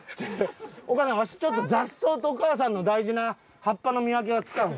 お母さんワシちょっと雑草とお母さんの大事な葉っぱの見分けがつかんわ。